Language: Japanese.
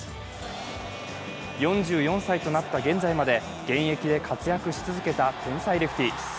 ４４歳となった現在まで現役で活躍し続けた天才レフティー。